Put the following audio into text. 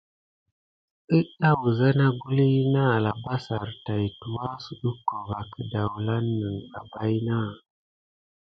Əɗa wəza naguluy na alabassare tay tuwa suɗucko va kədawlanəŋ ɓa bayna.